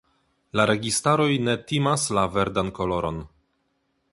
La registaroj ne timas la verdan koloron.